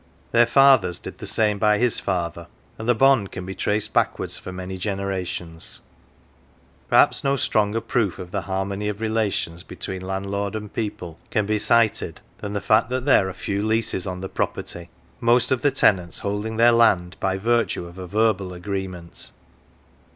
Their fathers did the same by his father, and the bond can be traced backward for many generations. Perhaps no stronger proof of the harmony of relations between 177 M OX THE OTHER SIDE landlord and people can be cited than the fact that there are few leases on the property, most of the tenants holding their land by virtue of a verbal agreement.